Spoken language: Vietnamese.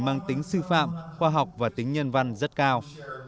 mang tính sư phạm khoa học và tính nhân văn rất cao